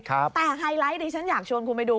แต่ไฮไลท์ดิฉันอยากชวนคุณไปดู